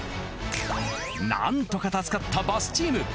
なんとか助かったバスチーム。